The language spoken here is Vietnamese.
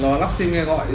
nó lắp sim nghe gọi